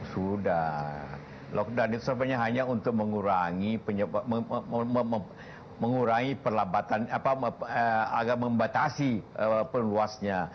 sudah lockdown itu sepertinya hanya untuk mengurangi perlambatan agar membatasi peluasnya